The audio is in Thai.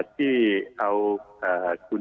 ที่เอาคุณ